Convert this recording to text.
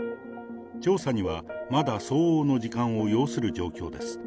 調査にはまだ相応の時間を要する状況です。